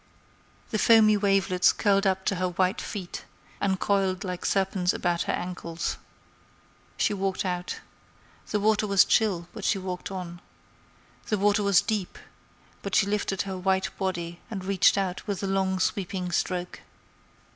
The foamy wavelets curled up to her white feet, and coiled like serpents about her ankles. She walked out. The water was chill, but she walked on. The water was deep, but she lifted her white body and reached out with a long, sweeping stroke.